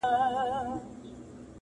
او بحثونه لا روان دي,